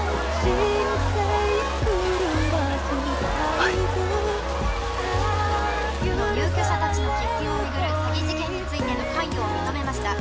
はい入居者達の寄付金をめぐる詐欺事件についての関与を認めました